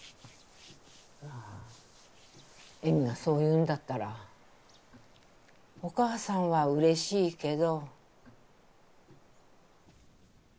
まあ江美がそう言うんだったらお母さんはうれしいけど。